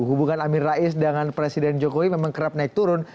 hubungan amin rais dengan presiden jokowi memang kerap naik turun